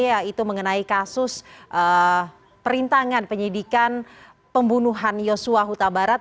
yaitu mengenai kasus perintangan penyidikan pembunuhan yosua huta barat